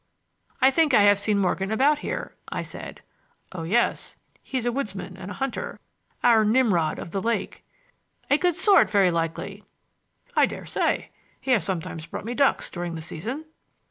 "I think I have seen Morgan about here," I said. "Oh, yes! He's a woodsman and a hunter—our Nimrod of the lake." "A good sort, very likely!" "I dare say. He has sometimes brought me ducks during the season."